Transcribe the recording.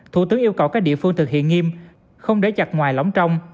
thủ tướng yêu cầu các địa phương thực hiện nghiêm không để chặt ngoài lỏng trong